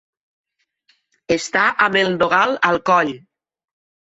Estar amb el dogal al coll.